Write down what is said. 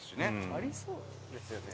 ありそうですよね。